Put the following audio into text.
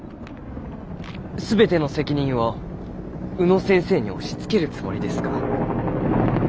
全ての責任を宇野先生に押しつけるつもりですか。